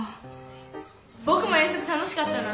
ぼくも遠足楽しかったな。